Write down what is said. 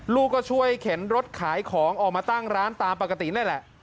ลูกก็ช่วยเข็นรถขายของออกมาตั้งร้านตามปกตินั่นแหละ